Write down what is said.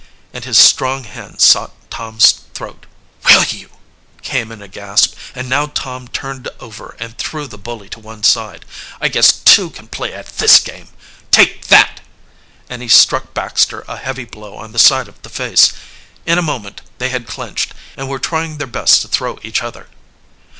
and his strong hand sought Tom's throat. "Will you!" came in a gasp, and now Tom turned over and threw the bully to one side. "I guess two can play at this game. Take that!" and he struck Baxter a heavy blow on the side of the face. In a moment they had clinched and were trying their best to throw each other.